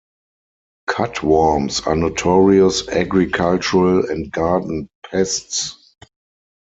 Cutworms are notorious agricultural and garden pests.